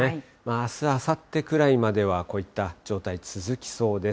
あす、あさってくらいまでは、こういった状態続きそうです。